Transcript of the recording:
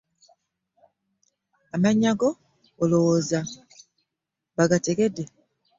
Amannya go olowooza bagategedde?